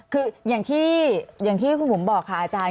คืออย่างที่คุณบุ๋มบอกค่ะอาจารย์